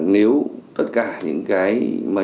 nếu tất cả những cái mà những người bất động sản